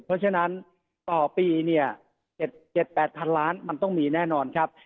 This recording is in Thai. เพราะฉะนั้นต่อปีเนี่ย๗๘พันล้านมันต้องมีแน่นอนครับ